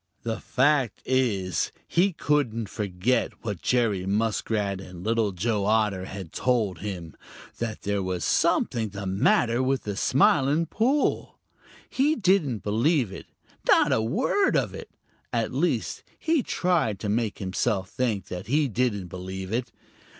The fact is he couldn't forget what Jerry Muskrat and Little Joe Otter had told him that there was something the matter with the Smiling Pool. He didn't believe it, not a word of it. At least he tried to make himself think that he didn't believe it.